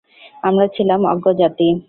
আমরা ছিলাম অজ্ঞ জাতি।